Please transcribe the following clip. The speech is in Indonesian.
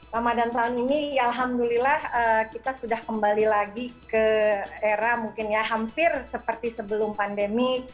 ramadan tahun ini ya alhamdulillah kita sudah kembali lagi ke era mungkin ya hampir seperti sebelum pandemi